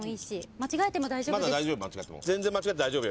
間違えても大丈夫です。